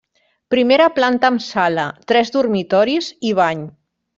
Primera planta amb sala, tres dormitoris i bany.